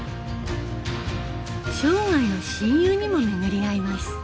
生涯の親友にも巡り合います。